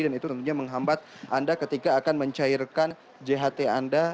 dan itu tentunya menghambat anda ketika akan mencairkan jahat anda